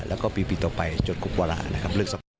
แล้วก็ปีต่อไปจนกลุ่มกว่าละนะครับ